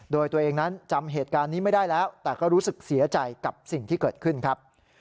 โดยตัวเองนั้นจำเหตุการณ์นี้ไม่ได้แล้วแต่ก็รู้สึกเสียใจกับสิ่งที่เกิดขึ้นครับ